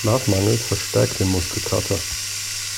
Schlafmangel verstärkt den Muskelkater.